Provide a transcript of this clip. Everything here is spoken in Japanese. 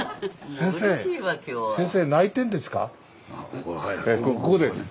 「先生泣いてんですか？」。